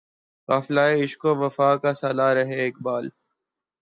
قافلہِ عشق و وفا کا سالار ہے اقبال